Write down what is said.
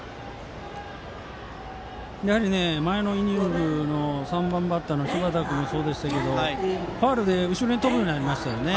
やはり前のイニングの３番バッターの柴田君もそうでしたがファウルで後ろに飛ぶようになりましたね。